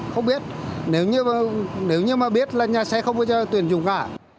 không biết nếu như mà biết là nhà xe không có cho tuyển dùng cả